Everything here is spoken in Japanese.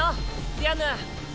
ディアンヌ。